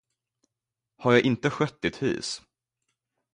Har jag inte skött ditt hus.